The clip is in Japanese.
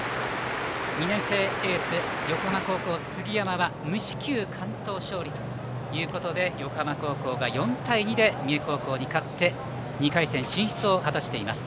２年生エース、横浜高校の杉山は無四球完投勝利ということで横浜高校が４対２で三重高校に勝って２回戦進出を果たしています。